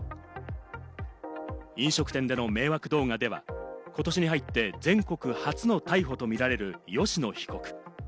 飲食店での迷惑動画では、ことしに入って全国初の逮捕とみられる吉野被告。